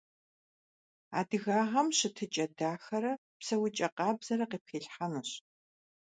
Адыгагъэм щытыкIэ дахэрэ псэукIэ къабзэрэ къыпхилъхьэнущ.